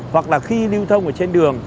hoặc là khi lưu thông ở trên đường